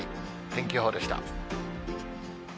天気予報でした。